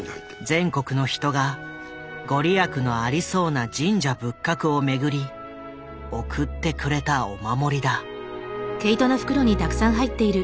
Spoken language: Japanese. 全国の人が御利益のありそうな神社仏閣を巡り送ってくれたお守りだ。